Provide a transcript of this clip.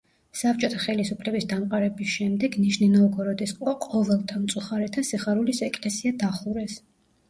საბჭოთა ხელისუფლების დამყარების შემდეგ ნიჟნი-ნოვგოროდის ყოველთა მწუხარეთა სიხარულის ეკლესია დახურეს.